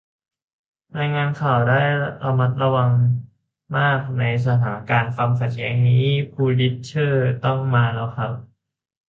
รายงานข่าวได้ระมัดระวังมากในสถานการณ์ความขัดแย้งนี้ พูลิตเซอร์ต้องมาแล้วครับ